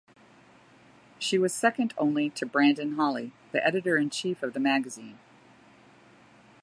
She was second only to Brandon Holley, the editor-in-chief of the magazine.